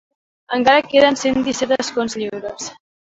Encara queden cent disset escons lliures.